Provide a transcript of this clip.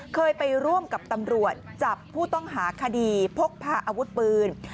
เคยไปร่วมกับตำรวจจับผู้ต้องหาคดีพกพาอาวุธปืน